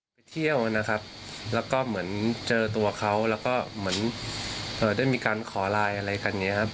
ไปเที่ยวนะครับแล้วก็เหมือนเจอตัวเขาแล้วก็เหมือนได้มีการขอไลน์อะไรกันอย่างนี้ครับ